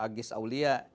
ada nur agis aulia